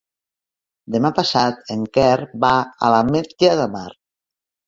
Demà passat en Quer va a l'Ametlla de Mar.